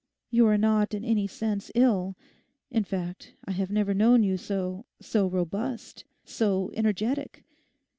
You are not in any sense ill. In fact, I have never known you so—so robust, so energetic.